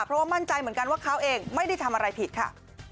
เพราะว่ามั่นใจเหมือนกันว่าเขาเองไม่ได้ทำอะไรผิดค่ะ